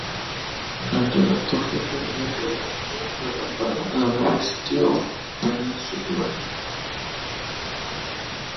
El redactor jefe es Román de la Campa, de la University of Pennsylvania.